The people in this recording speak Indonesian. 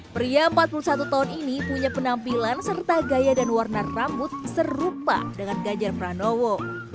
pria empat puluh satu tahun ini punya penampilan serta gaya dan warna rambut serupa dengan ganjar pranowo